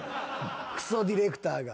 「糞ディレクターが！」